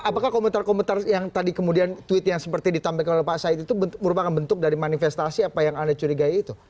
apakah komentar komentar yang tadi kemudian tweet yang seperti ditampilkan oleh pak said itu merupakan bentuk dari manifestasi apa yang anda curigai itu